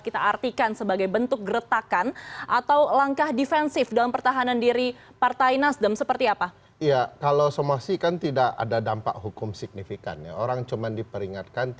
karena bangsa indonesia ini milik semua golongan